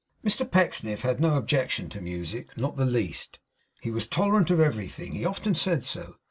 Mr Pecksniff had no objection to music; not the least. He was tolerant of everything; he often said so.